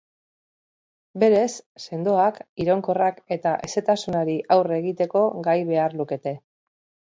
Berez, sendoak, iraunkorrak eta hezetasunari aurre egiteko gai behar lukete.